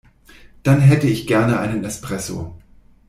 Dann hätte ich gerne einen Espresso.